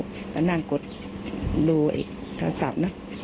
ก็นั่งกดดูไอ้กาสับ